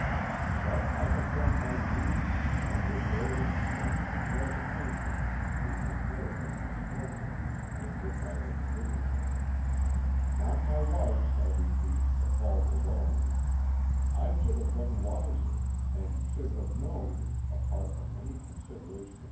But I had done my duty, and would bear with strength and resignation the unmerited misfortunes with which I was visited. Not my wife's, I repeat, the fault alone. I should have been wiser, and should have known apart from any consideration of M.